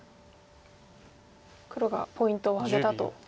黒がポイントを挙げたと。